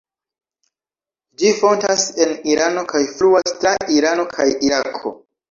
Ĝi fontas en Irano kaj fluas tra Irano kaj Irako.